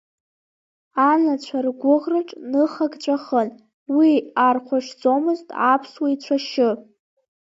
Анацәа ргәыӷраҿ ныхак ҵәахын, Уи архәашьӡомызт аԥсуа ицәашьы.